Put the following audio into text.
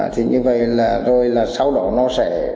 thì như vậy là rồi là sau đó nó sẽ